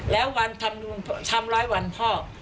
แล้ววันทำร้อยวันพ่อ